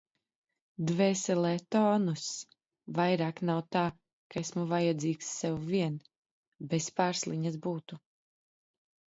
Dvēselē tonuss. Vairāk nav tā, ka esmu vajadzīgs sev vien. Bez Pārsliņas būtu...